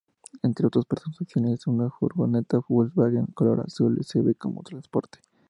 Entre sus otras posesiones; una furgoneta Volkswagen color azul les sirve como transporte.